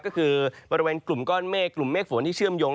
ก็คือบริเวณกลุ่มก้อนเมฆกลุ่มเมฆฝนที่เชื่อมโยง